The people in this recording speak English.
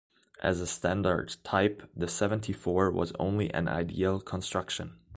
As a standard type, the seventy-four was only an ideal construction.